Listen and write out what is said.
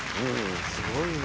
すごいな。